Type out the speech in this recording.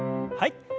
はい。